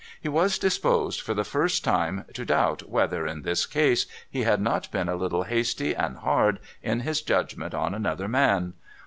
He was disposed, for the first time, to doubt whether, in this case, he had not been a little hasty and hard in his judgment on another man.